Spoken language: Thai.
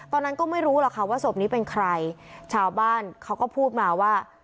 ตอนนั้นก็ไม่รู้หรอกค่ะว่าศพนี้เป็นใครชาวบ้านเขาก็พูดมาว่า